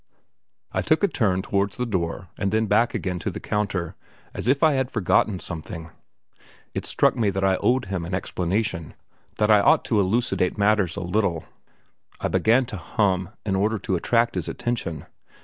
I took a turn towards the door and then back again to the counter as if I had forgotten something. It struck me that I owed him an explanation, that I ought to elucidate matters a little. I began to hum in order to attract his attention.